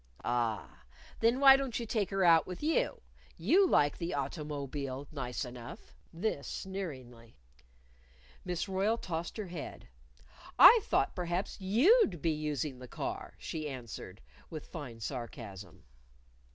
"A a ah! Then why don't you take her out with you? You like the auto_mo_bile nice enough," this sneeringly. Miss Royle tossed her head. "I thought perhaps you'd be using the car," she answered, with fine sarcasm.